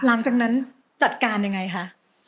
หลังจากนั้นจัดการยังไงคะ